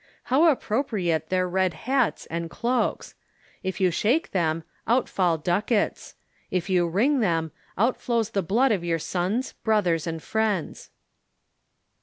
How appropriate their red hats and cloaks ! If you shake them, out fall ducats. If you wring them, out flows the blood of your sons, brothers, and friends."